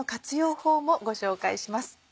法もご紹介します。